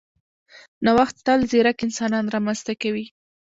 نوښت تل ځیرک انسانان رامنځته کوي.